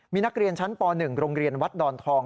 มีนักเรียนชั้นป๑โรงเรียนวัดดอนทอง